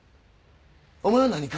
お前は何か？